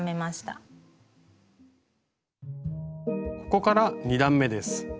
ここから２段めです。